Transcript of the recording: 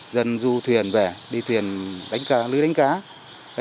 đi du thuyền về đi thuyền lưới đánh cá